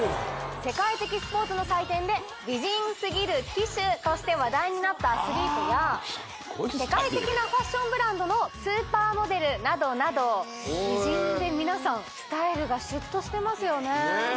世界的スポーツの祭典で美人すぎる旗手として話題になったアスリートや世界的なファッションブランドのスーパーモデルなどなど美人で皆さんスタイルがシュッとしてますよね